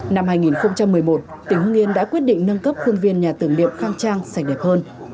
năm hai nghìn một mươi một tỉnh hưng yên đã quyết định nâng cấp khuôn viên nhà tưởng niệm khang trang sạch đẹp hơn